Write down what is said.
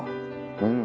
うん。